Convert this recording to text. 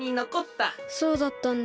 そうだったんだ。